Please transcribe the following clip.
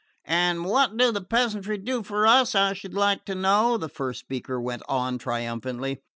"And what do the peasantry do for us, I should like to know?" the first speaker went on triumphantly.